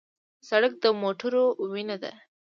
سړک د موټرو وینه ده.